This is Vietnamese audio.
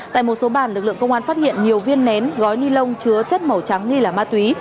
tại một số bàn lực lượng công an phát hiện nhiều viên nén gói ni lông chứa chất màu trắng nghi là ma túy